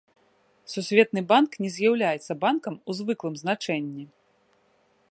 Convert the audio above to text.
Сусветны банк не з'яўляецца банкам у звыклым значэнні.